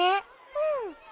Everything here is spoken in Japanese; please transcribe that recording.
うん。